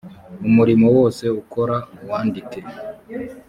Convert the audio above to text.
umurimo wose ukora uwandike